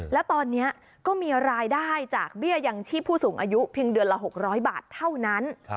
แล้วตอนนี้ก็มีรายได้จากเบี้ยยังชีพผู้สูงอายุเพียงเดือนละ๖๐๐บาทเท่านั้น